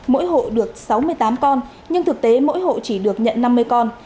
mỗi hộ được sáu mươi tám con nhưng thực tế mỗi hộ chỉ được nhận năm mươi con